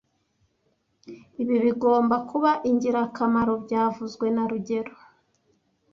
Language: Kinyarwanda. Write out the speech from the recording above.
Ibi bigomba kuba ingirakamaro byavuzwe na rugero